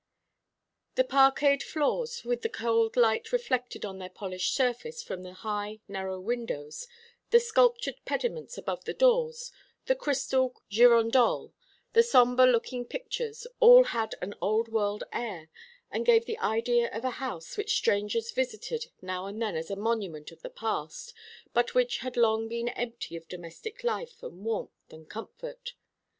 The parquetted floors, with the cold light reflected on their polished surface from the high narrow windows, the sculptured pediments above the doors, the crystal girandoles, the sombre looking pictures all had an old world air, and gave the idea of a house which strangers visited now and then as a monument of the past, but which had long been empty of domestic life and warmth and comfort.